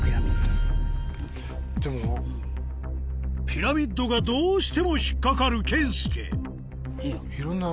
ピラミッドがどうしても引っ掛かる健介